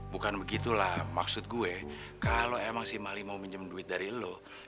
bukan begitu lam maksud gue kalo emang si mali mau minjem duit dari lo